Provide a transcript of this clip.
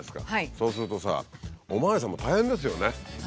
そうするとさおまわりさんも大変ですよね。